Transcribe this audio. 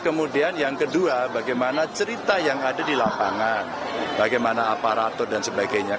kemudian yang kedua bagaimana cerita yang ada di lapangan bagaimana aparatur dan sebagainya